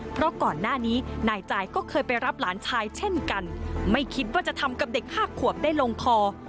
เพราะก่อนหน้านี้นายจ่ายก็เคยไปรับหลานชายเช่นกันไม่คิดว่าจะทำกับเด็กห้าขวบได้ลงคอ